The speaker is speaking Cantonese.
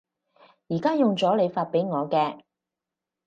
而家用咗你發畀我嘅